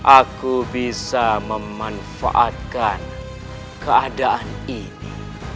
aku bisa memanfaatkan keadaan ini